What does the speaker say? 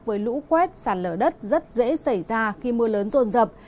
với lũ quét sạt lở đất rất dễ xảy ra khi mưa lớn rồn rập